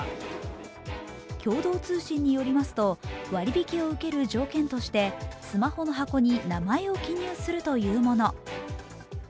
共同通信によりますと割引を受ける条件としてスマホの箱に名前を記入するというもの。